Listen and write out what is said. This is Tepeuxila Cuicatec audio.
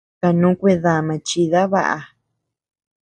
Kanu kuedama chida baʼa.